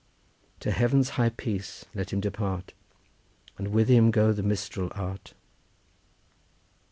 To Heaven's high peace let him depart, And with him go the minstrel art.